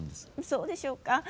そうでしょうか？